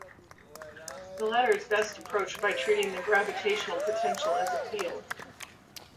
The latter is best approached by treating the gravitational potential as a field.